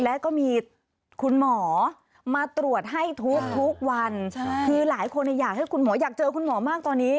และก็มีคุณหมอมาตรวจให้ทุกวันคือหลายคนอยากให้คุณหมออยากเจอคุณหมอมากตอนนี้